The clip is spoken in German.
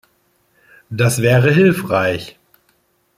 Das wäre hilfreich!